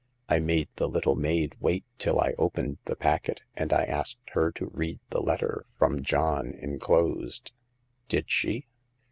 I made the little maid wait till I opened the packet ; and I asked her to read the letter from John enclosed." " Did she